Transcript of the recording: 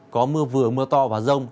có mưa vừa mưa to và rông